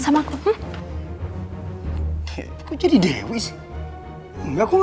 tunggu aku mau kesana